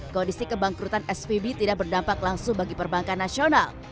kondisi kebangkrutan svb tidak berdampak langsung bagi perbankan nasional